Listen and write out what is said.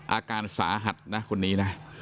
อาการสาหันต์คนนี้